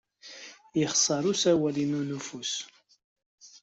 Yexṣer usawal-inu n ufus.